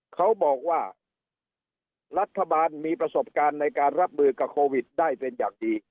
เขาบอกว่ารัฐบาลมีประสบการณ์ในการรับมือกับโควิดได้เป็นอย่างดี